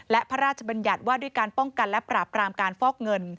และพระราชบัญญัติว่าด้วยการป้องกันและปราบรามการฟอกเงิน